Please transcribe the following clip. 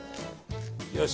よし！